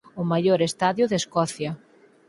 O maior estadio de Escocia.